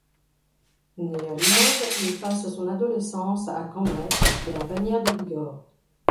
Né à Limoges, il passe son adolescence à Cambrai et à Bagnères-de-Bigorre.